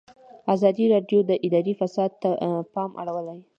ازادي راډیو د اداري فساد ته پام اړولی.